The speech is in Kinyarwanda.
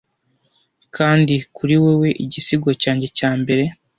kandi kuri wewe igisigo cyanjye cya mbere